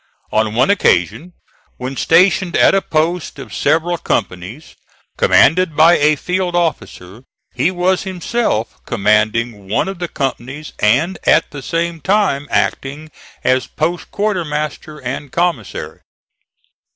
On one occasion, when stationed at a post of several companies commanded by a field officer, he was himself commanding one of the companies and at the same time acting as post quartermaster and commissary.